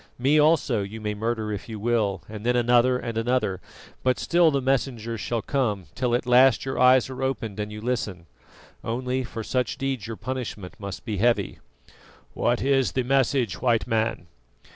Me also you may murder if you will, and then another and another; but still the messengers shall come, till at last your ears are opened and you listen. Only, for such deeds your punishment must be heavy." "What is the message, White Man?"